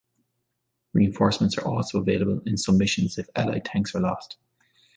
Reinforcements are also available in some missions if allied tanks are lost.